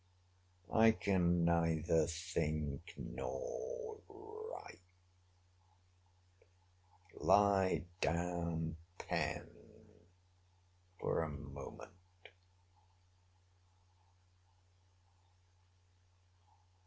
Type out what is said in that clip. —I can neither think nor write! Lie down, pen, for a moment!